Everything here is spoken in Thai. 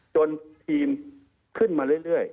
จนทีมขึ้นมาเรื่อย